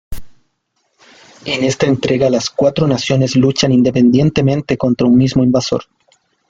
En esta entrega las cuatro naciones luchan independientemente contra un mismo invasor.